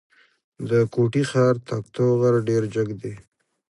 د کوټي ښار تکتو غر ډېر جګ دی.